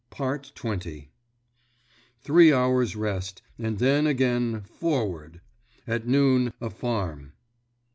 XX Three hours' rest, and then again forward! At noon, a farm.